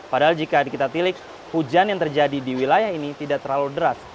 padahal jika kita tilik hujan yang terjadi di wilayah ini tidak terlalu deras